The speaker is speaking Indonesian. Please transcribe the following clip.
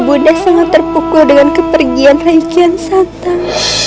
bunda sangat terpukul dengan kepergian reikian santan